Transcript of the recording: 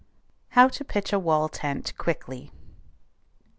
HOW TO PITCH A WALL TENT QUICKLY.